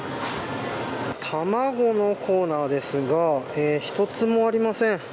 卵のコーナーですが１つもありません。